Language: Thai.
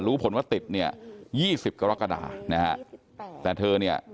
รู้ผลว่าติด๒๐กรกฎาแต่เธอนี่